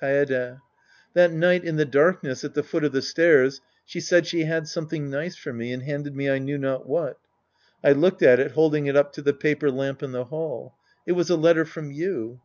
Kaede. That night in the darkness at the foot of the stairs, she said she had something nice for me and handed me I knew not what. I looked at it holding it up to the paper lamp in the hall. It was a letter from you